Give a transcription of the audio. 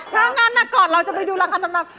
ถ้างั้นก่อนเราจะไปดูราคาจำนำ